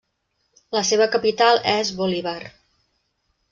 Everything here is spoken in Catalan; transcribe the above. La seva capital és Bolívar.